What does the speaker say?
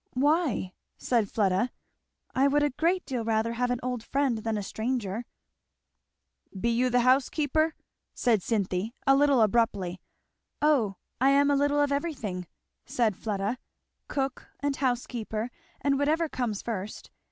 "Why?" said Fleda, "I would a great deal rather have an old friend than a stranger." "Be you the housekeeper?" said Cynthy a little abruptly. "O I am a little of everything," said Fleda; "cook and housekeeper and whatever comes first.